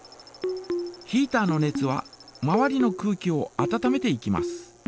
ヒータの熱は周りの空気を温めていきます。